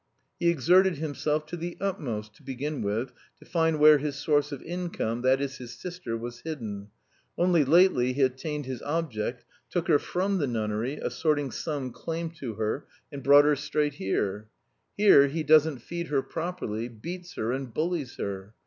He exerted himself to the utmost, to begin with, to find where his source of income, that is his sister, was hidden. Only lately he attained his object, took her from the nunnery, asserting some claim to her, and brought her straight here. Here he doesn't feed her properly, beats her, and bullies her.